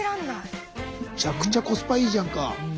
めちゃくちゃコスパいいじゃんか。